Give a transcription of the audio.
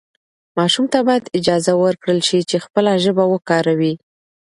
ماشوم ته باید اجازه ورکړل شي چې خپله ژبه وکاروي.